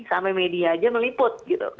sampai media aja meliput gitu